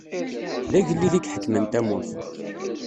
D agellid i iḥekmen tamurt.